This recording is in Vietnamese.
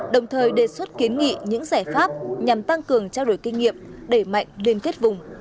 đồng thời đề xuất kiến nghị những giải pháp nhằm tăng cường trao đổi kinh nghiệm đẩy mạnh liên kết vùng